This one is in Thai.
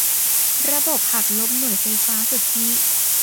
ระบบหักลบหน่วยไฟฟ้าสุทธิ